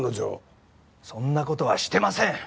そんな事はしてません！